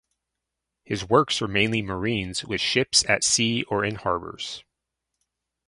His works are mainly marines with ships at sea or in harbours.